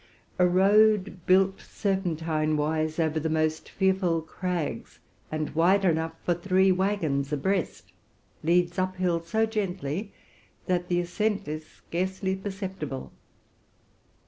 A road, built serpentine wise over the most fearful crags, and wide enough for three wagons abreast, leads up hill so gently, that the ascent is scarcely perceptible.